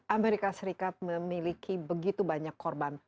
amerika serikat memiliki begitu banyak korban